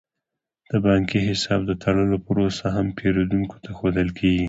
د بانکي حساب د تړلو پروسه هم پیرودونکو ته ښودل کیږي.